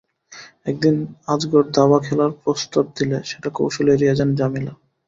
একদিন আজগর দাবা খেলার প্রস্তাব দিলে সেটা কৌশলে এড়িয়ে যান জামিলা।